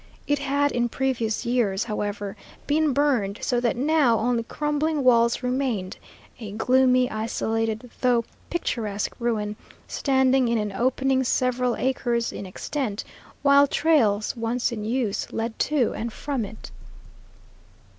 It had in previous years, however, been burned, so that now only crumbling walls remained, a gloomy, isolated, though picturesque ruin, standing in an opening several acres in extent, while trails, once in use, led to and from it.